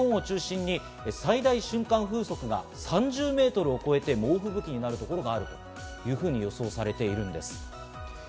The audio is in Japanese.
また北日本を中心に最大瞬間風速が３０メートルを超えて猛吹雪になるところがあるというふうに予想されているんです。